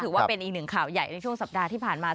ถือว่าเป็นอีกหนึ่งข่าวใหญ่ในช่วงสัปดาห์ที่ผ่านมา